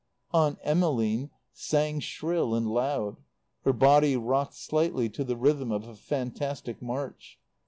Aunt Emmeline sang shrill and loud; her body rocked slightly to the rhythm of a fantastic march.